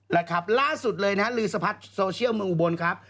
นะครับล่าสุดเลยนะฮะลือสะพัดโซเชียลเมืองอุบลครับ